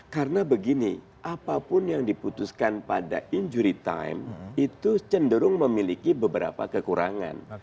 karena begini apapun yang diputuskan pada injury time itu cenderung memiliki beberapa kekurangan